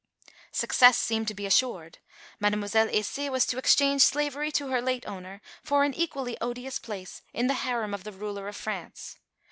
Success seemed to be assured. Mademoiselle Aissé was to exchange slavery to her late owner for an equally odious place in the harem of the ruler of France.